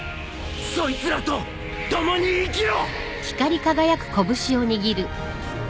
そいつらと共に生きろ！